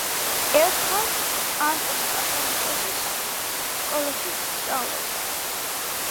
ერთხანს ანტონ კათალიკოსის სკოლაშიც სწავლობდა.